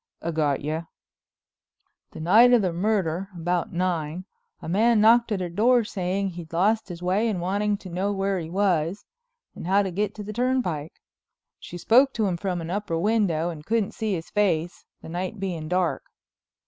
"I got you." "The night of the murder, about nine, a man knocked at her door saying he'd lost his way and wanting to know where he was, and how to get to the turnpike. She spoke to him from an upper window and couldn't see his face, the night being dark.